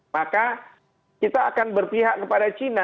maka kita akan berpihak kepada china